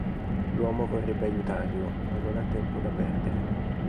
L'uomo vorrebbe aiutarlo, ma non ha tempo da perdere.